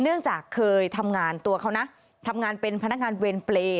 เนื่องจากเคยทำงานตัวเขานะทำงานเป็นพนักงานเวรเปรย์